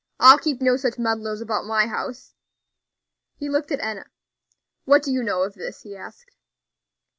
I'll keep no such meddlers about my house." He looked at Enna. "What do you know of this?" he asked.